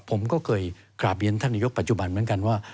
ผมก็เคยกราบเรียนท่านนายกปัจจุบันเหมือนกันว่า